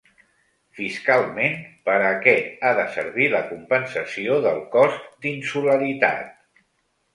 Fiscalment, per a què ha de servir la compensació del cost d’insularitat?